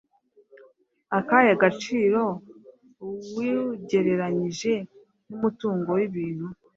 akahe gaciro, uwugereranyije n’umutungo w’ibintu?